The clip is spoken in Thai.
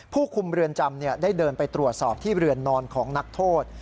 ผู้คุมเรือนจำได้เดินไปตรวจสอบที่เรือนนอนของนักโทษ